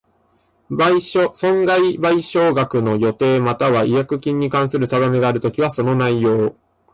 損害賠償額の予定又は違約金に関する定めがあるときは、その内容